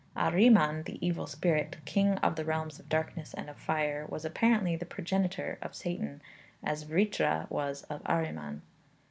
Ahriman, the evil spirit, king of the realms of darkness and of fire, was apparently the progenitor of Satan, as Vritra was of Ahriman.